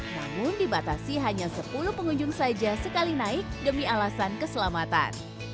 namun dibatasi hanya sepuluh pengunjung saja sekali naik demi alasan keselamatan